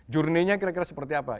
journey nya kira kira seperti apa